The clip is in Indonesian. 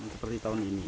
seperti tahun ini